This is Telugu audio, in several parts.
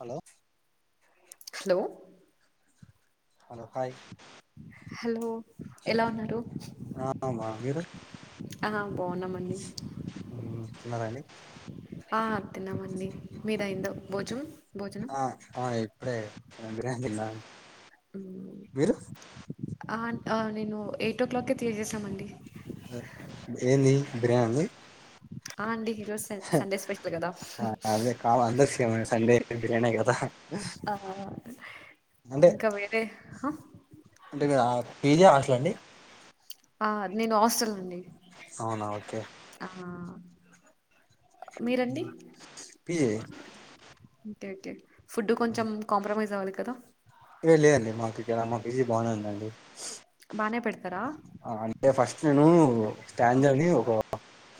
Hello hello hello hi hello ఎలా ఉన్నారు ఆ మా మీరు బావున్నామండి మ్మ్ తిన్నారా అండి ఆ తిన్నామండి మీద అయిందో భోజం భోజనం ఆ ఆ ఇప్పుడే [unintelligible] తిన్న మీరు ఆ అ నేను ఎయిట్ ఓ క్లాక్ తెయజేసామండి అ ఇంకెంది బిర్యానీ ది హ అండి ఈరోజు స సండే స్పెషల్ కదా అదే కాల అంద సండే బిర్యానీ గదా ఆ ఇంకా వేరే ఆ అంటే మీరు ఆ పేజీ హాస్టల్ ఆ అండి ఆ నేను హాస్టల్ అండి అవునా ఓకే ఆ మీరండి ఉమ్ పీజీ ఓకే ఓకే ఫుడ్ కొంచెం కాంప్రమైజ్ అవ్వాలి కదా ఏ లేదండి మాకు ఇక్కడ మాకు పిజీ బాగునేఉందండి బానే పెడ్త అంటే ఫస్ట్ నేను స్టాంజని ఒక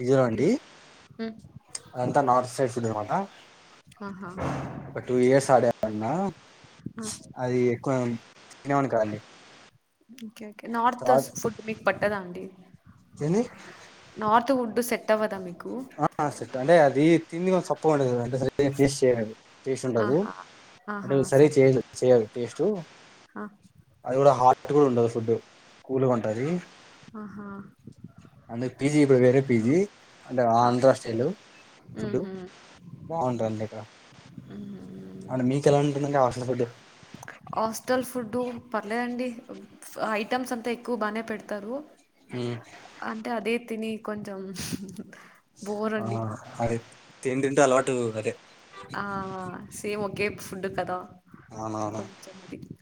ఇదిగో అండి మ్, అదంతా నార్త్ సైడ్ ఫుడ్ అనమాట ఆహా ఒక టు ఇయర్స్ ఆడ అన్నా ఆ, అది ఎక్కువ తినే వాన్నీ కాదండి ఓకే ఓకే నార్త తర్వాత ఫుడ్ మీకు పట్టదా అండి ఏంది ఫుడ్ సెట్టవదా మీక్ ఆ సెట్ అంటే అది తిండి కొంచెం సప్ప ఉంటాది కదండి సరిగా టేస్ట్ చేయరూ టేస్టుండదు ఆహా అంటే సరే చేయ చేయాలి టేస్టు ఆ అది కూడా హార్టు కూడా ఉండదు ఫుడు కూల్గా ఉంటది ఆహా అందుకి పీజీ ఇప్పుడు వేరే పీజీ అంటే ఆంధ్ర స్టయిల్ ఫుడ్ ఉహు బాగుంటదిక్కడ అంటే మీకేలా ఉంటుందండి హాస్టల్ ఫుడ్ ఫుడ్డు పర్లేదండి ఐటమ్స్ అంతా ఎక్కువ బాగానే పెడ్తారు ఉమ్, అంటే అదే తిని కొంచెం బోర్ ఆ అండి అదే తింటుంటే అలవాటు అదే ఆ సేమ్ ఓకే ఫుడ్ కదా అవునవును కొంచెం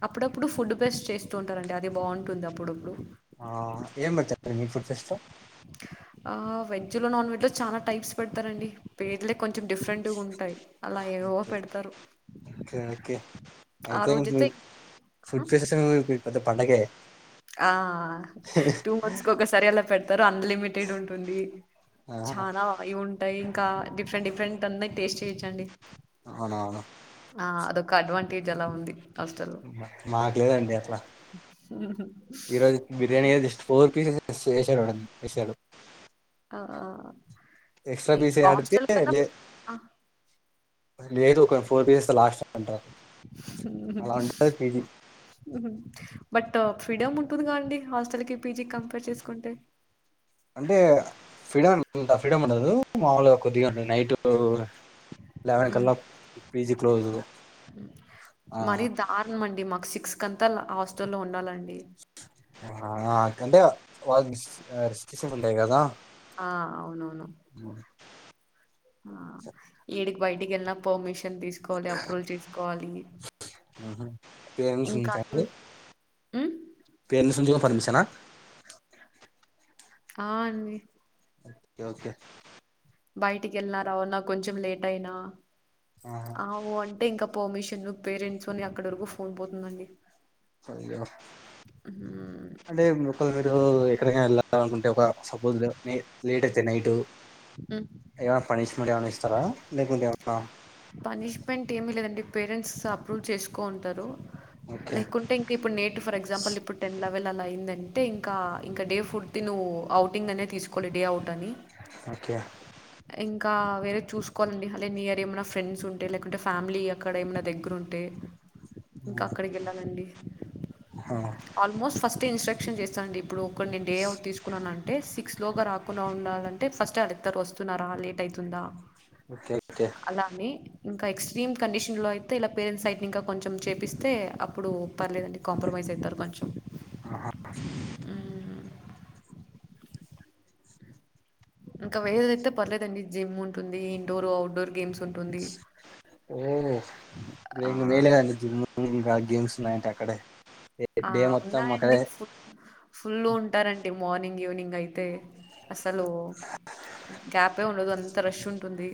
అప్పుడప్పుడు ఫుడ్ ఫెస్ట్ చేస్తూ ఉంటారండి అది బాగుంటుంది అప్పుడప్పుడు ఆ ఏం పెడ్తారు మీ ఫుడ్ ఫెస్లో ఆ వెజ్ లో నాన్ వెజ్లో చాలా టైప్స్ పెడ్తారండి పేట్లే కొంచెం డిఫరెంట్గా ఉంటాయి అలా ఓకే ఏవో ఓకే పెడతారు ఓకే ఓకే ఆ అయితే మీక్ రోజైతే ఫుడ్ ఫెస్టు [unintelligible] మీకు పండగే ఆ టూ మంత్స్ ఒకసారి అలా రంన్లిమిటెడ్ ఉంటుంది ఆ, చాన ఇవి ఉంటాయి ఇంకా డిఫరెంట్ డిఫరెంట్ అన్ని టేస్ట్ చేయిచండి అవునవును అదొక అడ్వాంటేజ్ అలా ఉంది హాస్టల్లో మాక్లేదండి అట్లా ఈరోజు బిర్యానీ జస్ట్ ఫోర్ పీసెస్ చేేసారు న వేసడు ఆ ఇద్ పీస్ ఆడితే హోస్టల్ కన్న లే ఆ లేదు ఒక ఫోర్ డేస్ లాస్ట్ టంటారు ఉహు హూ బట్ ఫ్రీడం ఉంటుంది కాదండి హాస్టల్కి పీజీకి కంపేర్ చేస్కుంటే అంటే ఫ్రీడం ఇంత ఫ్రీడముండదు మాముల్గా కొద్దిగా ఉండంది నైటూ లెవెన్ మ్ కల్లా పిజి క్లోజూ ఆ అది మాకు సిక్స్ కంతా ఆ హాస్టల్లో ఉండాలండి ఆ ఆరు కంటే వాళ్ళకి రీస్ రిస్ట్రషన్ ఉంటాయ్ కదా ఆ అవునవును ఆ యేడికి బయిటికి ఏలిన పర్మిషన్ తీస్కోవాలి అప్రూల్ తీస్కోవాలి పేరెన్స్నుంచ అండి ఉమ్ పేరెన్సుంచి కూడా పర్మిషనా ఆ అండి ఓకె ఓకే బయటికి కేళ్నారా అవున్నా కొంచెం లేటైనా అవాడింకా పర్మిషన్లు పేరెంట్స్ అని అక్కడ వరకు ఫోన్ పోతుందండి అయ్యో ఉమ్ అంటే ఒకళ్ళు మీరు ఎక్కడికైనా వెళ్ళాలనుకుంటే ఒక సపోజ్ లే లేటైతే నైట్ ఏవనా పనిష్మెంట్ ఏవనా ఇస్తారా లేకుంటే [unintelligible] పనిష్మెంట్ ఏమీ లేదండి పేరెంట్స్ అప్రూవ్ చేస్కోంటరు ఓకే లేకుంటే ఇంకా ఇప్పుడు నేటు ఫర్ ఎగ్జాపుల్ ఇప్పుడు టెన్ వెళ్ళాల అయిందంటే ఇంకా డే ఫుడ్ తిను ఇంకా నువ్వు ఔటింగ్ అనే తీసుకోవాలి డే అవుట్ అని ఓకే ఇంకా వేరే చూసుకోవాలండి అదే నియర్ ఏమైనా ఫ్రెండ్స్ ఉంటే లేకుంటే ఫ్యామిలీ అక్కడ ఏమైనా దగ్గర ఉంటే ఇంకా అక్కడికి వెళ్ళాలండి ఆహా ఆల్మోస్ట్ ఫస్ట్ త్ ఇన్స్ట్రక్షన్ చేస్తాండి ఇప్పుడు ఒక నేను డే అవుట్ తీసుకున్నాను అంటే సిక్స్ లోగా రాకుండా ఉండాల టే ఫస్టే అడుగుతారు వస్తున్నారా లేట్ అవుతుందా ఓకే ఓకే ఇంకా ఎక్స్ట్రీమ్ కండిషన్ లో అయితే ఇలా పేరెంట్స్ సైడ్ ఇంకా కొంచెం చేపిస్తే అప్పుడు పర్లేదండి కాంప్రమైజ్ అయితారు కొంచెం ఆహా హ్మ్. ఇంకా వేరేది అయితే పర్లేదండి జిమ్ ఉంటుంది ఇండోర్ అవుట్డోర్ గేమ్స్ ఉంటుంది. ఓహ్ ఇంగ ఆహ్, మేలేనండి జిమ్ ఇంకా గేమ్స్ లాటి ట్టక్కడె ఆ అవునండి ఫుల్లు ఫుల్లుంటారా అండి మార్నింగ్ ఈవినింగ్ అయితే అసలు గ్యాపే ఉండదు అంత రష్ ఉంటుంది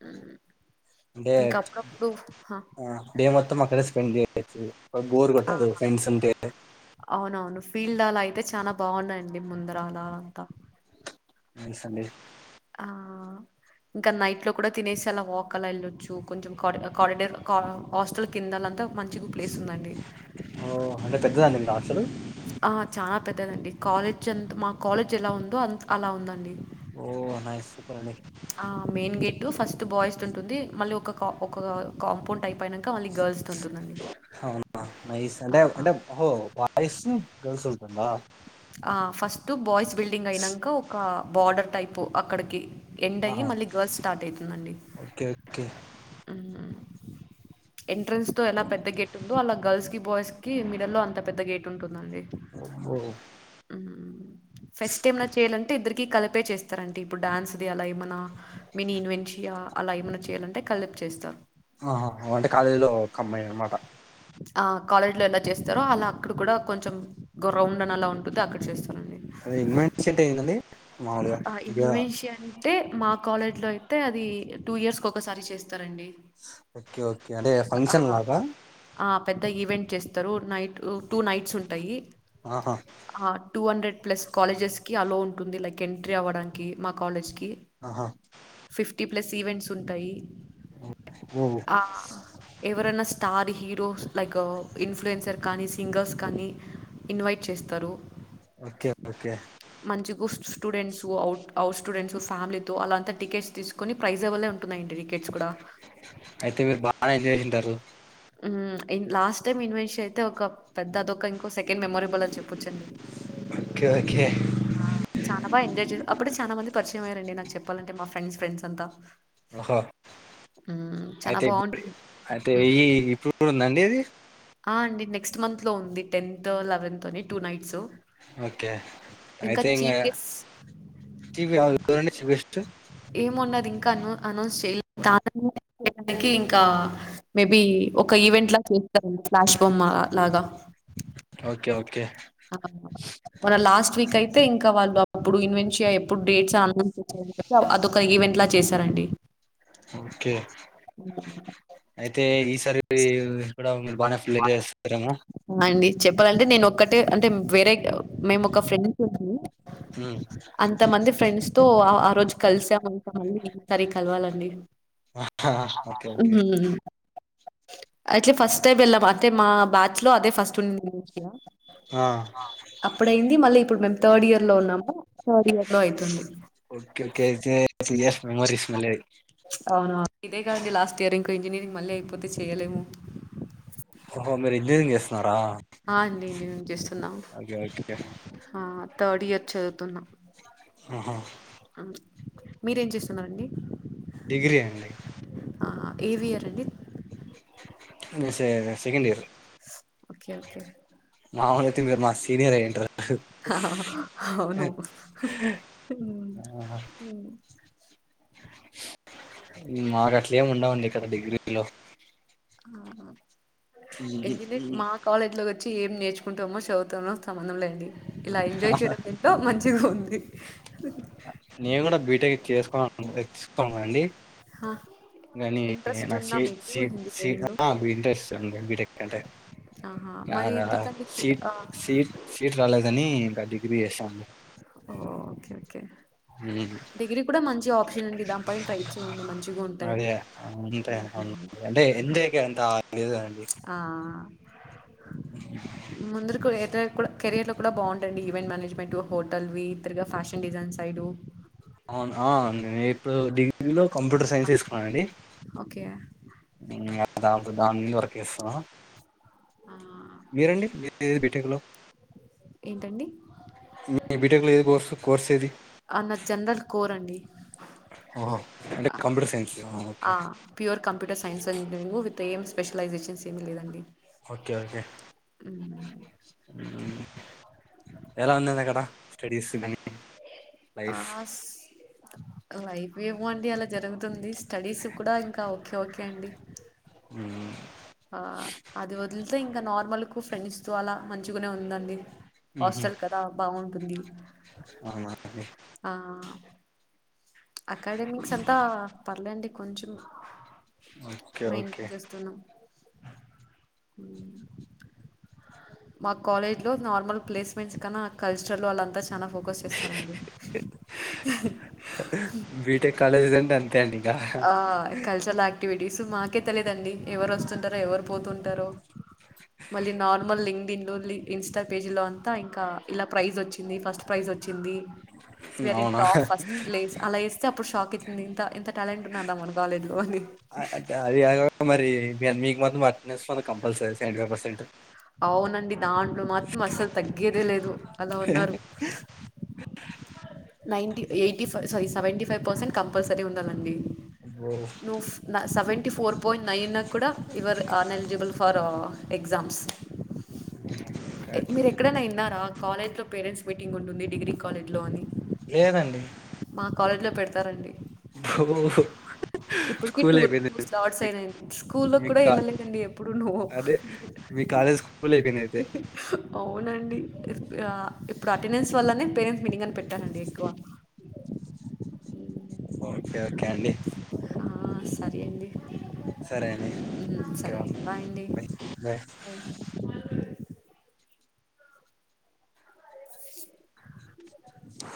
హ్మ్ అంటే డే మొత్తం అక్కడే స్పెండ్ చేయొచ్చు బోర్ కొట్టదు ఫ్రెండ్స్ ఉంటే ఫీల్డాల అయితే చాలా బాగున్నాయిండి ముందరాల ఆలా అంత తెల్సాండీ ఆ ఇంకా నైట్ లో కూడా తినేసి అలా వాక్ అలా వెళ్ళొచ్చు కొంచెం కారి కరిడోర్ కా హాస్టల్ కిందాలంతా మంచిగా ప్లేస్ ఉందండి ఓ అంటే పెద్దదా అండి మీ హాస్టలు ఆ చాన పెద్దదండి కాలేజ్ ఎంత మా కాలేజ్ ఎలా ఉందో అం అలా ఉందండి ఓ నైస్ సూపర్ అండి ఆ మెయిన్ గేట్ ఫస్ట్ బాయ్స్ ఉంటుంది మళ్ళీ ఒక ఒక కాంపౌండ్ టైప్ అయినాక మళ్ళీ గర్ల్స్ ఉంటుందండి అవునా నైస్ అంటే అంటే ఓహో బాయ్స్ గర్ల్స్ ఉంటుందా ఫస్ట్ బాయ్స్ బిల్డింగ్ అయినాక ఒక బార్డర్ టైపు అక్కడికి ఎండ్ అయి ఆహా మళ్ళీ గర్ల్స్ స్టార్ట్ అవుతుందండి ఓకే ఓకే హ్మ్ ఎంట్రెన్స్ తో ఎలా పెద్ద గేట్ ఉందో అలా గర్ల్స్ కి బాయ్స్కి మిడిల్ లో అంత పెద్ద గేట్ ఉంటుంది అండి ఓ హ్మ్ ఫెస్ట్ టై చేయాలంటే ఇద్దరికి కలిపే చేస్తారంటే ఇప్పుడు డన్స్ది అలా ఏమైనా మీని ఇన్వెంటియ్య అలా ఏమైన్నా చేయాలంటే కలిపి చేస్తారు ఆ అంటే కాలేజీలో కాంబినెద్ అనమాట ఆ కాలేజ్ లో ఎలా చేస్తారో అలా అక్కడ కూడా కొంచెం గ్రౌండ్ అని అలా ఉంటది అక్కడ చేస్తారు అదే ఇన్వెంటియా అంటే ఏంది అండి మాములుగా టే మా కాలేజ్ లో అయితే అది టూ ఇయర్స్ కి ఒకసారి చేస్త ఓకే ఓకే అంటే ఆ ఫంక్షన్ లాగా ఆ పెద్ద ఈవెంట్ చేస్తారు నైట్ టూ నైట్స్ ఉంటాయి ఆహా టూ హండ్రెడ్ ప్లస్ కాలేజెస్ కి అల్లఓ ఉంటుంది లైక్ ఎంట్రీ అవ్వడానికి మా కాలేజ్ కి ఆహా ఫిఫ్టీ ప్లస్ ఈవెంట్స్ ఉంటాయి ఓ ఎవరన్నా స్టార్ హీరోస్ లైక్ ఇన్ఫ్లుయెన్సర్ కానీ సింగర్స్ కానీ ఇన్వైట్ చేస్తారు. Okay okay. మంచిగా స్టూడెంట్స్ అవుట్ అవుట్ స్టూడెంట్స్ ఫ్యామిలీతో అలాంతా టికట్ తీసుకొని ప్రైజెబల్ ఉన్. అయితే మీరు బాగా ఎంజాయ్ చేసింటారు మ్ లాస్ట్ టైమ్ ఇన్వెష అయితే ఒక పెద్ద అదొక్క ఇంకో సెకండ్ మెమొరేబుల్ అని చెప్పచ్చండి ఓకే ఓకే ఆహ్ చానా బాగా ఎంజాయ్ చేస అపుడే చానా మంది పరిచయం అయ్యారండి నాకు చెప్పాలంటే మా ఫ్రెండ్స్ ఫ్రెండ్స్ అంతా. ఓకే. హ్మ్. చాలా అయితే ఇప్ బావుంటుంది. అయితే ఈ ఇప్పుడు కూడ ఉందండి అది. ఆహ్ అండి నెక్స్ట్ మంత్ లో ఉంది టెన్త్ లేవంత్ అని టూ నైట్స్. ఓకే ఇంకా అయితే ఇంగ. చీఫ్ గెస్ [unintelligible] ఏమన్నారు ఇంకా అన్ అనౌన్స్ చేయాలే [inaudible] ఇంకా మేబి. ఒక ఈవెంట్ లాగా చేస్తారండి ఫ్లాష్ రూమ్ మా లాగా. ఓకే ఓకే ఆహ్ వాలా లాస్ట్ వీక్ అయితే ఇంక్. ఇంక వాళ్ళు అప్పుడు ఇన్వెషియ ఎప్పుడు డేట్స్ [unintelligible] ఆహ్ అదొక ఈవెంట్ లా చేశారండి. ఓకే అయితే ఈసారి గూడ [unintelligible] మండి చెప్పాలండి నేను ఒక. కంటే అంటే వేరే మేము ఒక ఫ్రెండ్స్ ఉంటాము ఉమ్. అంత మంది ఫ్రెండ్స్. తో ఆ రోజు కలిసామం [inaudible] కలవాలండి. ఆహ్ ఓకే ఓకే. హ్మ్. అయితే ఫస్ట్ టైం ఎలాం అంటే మా బ్యాచ్ లో అదే ఫస్ట్ ఉండే ఆ, [inaudible] అప్పుడయింది మళ్ళీ ఇప్పుడు మేము థర్డ్ ఇయర్ లో ఉన్నాము. థర్డ్ ఇయర్ లో అయితుంది. Okay okay two years memories [inaudible] అవునా? ఇదే కాదండి లాస్ట్ ఇయర్ ఇంకో ఇంజనీరింగ్ మళ్ళీ అయిపోతే చేయలేము. ఓహో మీరు ఇంజనీరింగ్ జేస్తున్నారా. ఆహ్ అండి ఇంజనీరింగ్ చేస్తున్నా ఆహ్ థర్డ్ ఇయర్ చదువుతున్న. ఆహా. మీరేం చేస్తున్నారండి. డిగ్రీ అండి. ఆహ్ ఏ వియర్ అండి. సె సెకండ్ ఇయర్. Okay okay. మాములుగా అయితే మీరు మా సీనియరే. హహహ అవును ఉమ్ ఉమ్. మాకు అట్లేముండవు అండి ఇక్కడ డిగ్రీలో. ఆహ్ డిగ్రీ మా కాలేజీ లో కద్. ఒచ్చి ఏం నేర్చుకుంటామో సదువుతామో సంబధంలేదండి. ఇలా ఎంజాయ్ చేయడం ఏంటో మంచిగా ఉంది. నేను కూడా బీటెక్ చేసుకో [inaudible] అండి. ఆ నేను ఈ ఇంట్రెస్ట్ నాకు ఉందా సి మీకు సి సి ఇంజనీరింగ్లో ఆహ్ బీటెక్ అంటే ఆహా [unintelligible] మరి అంటే ఎందుకండి కి సీట్ ఆ సీట్ సీట్ రాలేదని గాడి. ఇది చేసామండి. ఓ ఓకే ఓకే. డిగ్రీ కూడా మంచి ఆప్షన్ అండి దానిపై ట్రై చేయండి మంచిగా ఉంటాయి. అను అంటే ఎంజాయ్ కి అంత. లేదండి ఆహ్. ముందుర్క్ ఏదైన కూడా కెరీర్ లో. కూడా బావుంటండీ ఈవెంట్ మేనేజ్మెంట్ హోటల్వి తిరుగా ఫ్యాషన్ డిజైన్ సైడ్ అవునా ఆ నేన్ ఇప్పుడు డిగి ఇన్లో కంప్యూటర్ సైన్స్ తీసుకున్నానండి ఓకే మ్ దాని దన్ ముందు వరకు కేస్తావా. ఆహ్. మీరండి మీ బీటెక్ లో. ఏంటండి మీ బిటెక్లో కోర్సు కోర్స్ ఏది ఆ! నాది జనరల్ కోర్ అండి హా అంటే కంప్యూటర్ సైన్స్ ఓకే ఆ pure computer science engineering with ఏం స్పెషలైజేషన్స్ ఏమీ లేదండి ఓకే ఓకే ఎలా ఉందడక్కడ స్టడీస్ లైఫ్ అస్ లైఫ్ ఏమో అండి అలా జరుగుతుంది స్టడీస్ కూడా ఇంకా ఓకే ఓకే అండి ఆ అది వదిలితే ఇంకా నార్మల్కు ఫ్రెండ్స్ తో అలా మంచిగనే ఉందండి హాస్టల్ కదా బాగుంటుంది అవునా అండి. ఆ అకాడమిక్స్ అంతా పర్లేండి కొంచెం ఓకే మా ఇంట్కి ఓకే చేస్తున్నాం మా కాలేజ్లో నార్మల్ ప్లేస్మెంట్స్ కన్నా ఆ కల్చర్లో వాళ్ళంతా చాలా ఫోకస్ చేస్తారండి బీటెక్ కాలేజీలన్నీ అంతే అండి ఇక ఆ కల్చర్ లా క్టివిటీస్ మాకే తెలిదండి ఎవరు వస్తుంటరో ఎవరు పోతుంటరో మళ్ళీ నార్మల్ లింగ దీనిలోన్లి ఇన్స్టా పేజ్లో అంతా ఇంకా ఇలా ప్రైజ్ వచ్చింది ఫస్ట్ ప్రైజ్ వచ్చి ది వెరీ అవునా టాప్ ఫస్ట్ ప్లేస్ అలా ఏస్తే అప్పుడు షాక్ ఆ అది మరి ఇవి అన్ని మాది వాయినేసా కంపల్సరి సెవెంటిఫైవ్ పర్సెంట్ అవునండి దాంట్లో మాత్రం అస్సలు తగ్గేదే లేదు అలా ఉన్నారు ninety eighty five sorry seventy five percent compulsory ఉండాలండి నువ సెవెంటీ ఫోర్ పాయింట్ నైన్ కూడా ఇవర్ అన్ఎలిజిబుల్ ఫర్ ఎగ్జామ్స్ మీరెక్కడైనా విన్నారా కాలేజ్లో పేరెంట్స్ మీటింగ్ ఉంటుంది డిగ్రీ కాలేజ్లో అని లేదండి మా కాలేజ్లో పెడతారండి ఓహ్ ఇప్పటికి టూర్ స్లాట్స్ ఐనయండి స్కూల్ లో కూడా మీకు వెళ్ళలేదండి ఎప్పుడు నూ అదే మీ కాలేజ్ స్కూల్ అయిపోయింది అయితే అవునండి ఇప్పుడ టెండెన్స్ వల్లనే పేరె మీటీంగని పెట్టారండి ఎక్కువ ఓకే ఓకే అండి ఆ సరే అండి సరే అండీ ఉమ్, సరే అండి బాయ్ అండి బాయ్ [unintelligible]